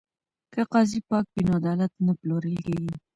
که قاضي پاک وي نو عدالت نه پلورل کیږي.